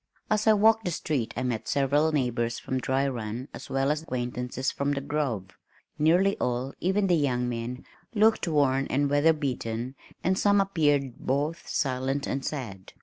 As I walked the street I met several neighbors from Dry Run as well as acquaintances from the Grove. Nearly all, even the young men, looked worn and weather beaten and some appeared both silent and sad.